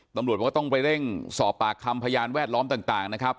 ตำรวจบอกว่าต้องไปเร่งสอบปากคำพยานแวดล้อมต่างนะครับ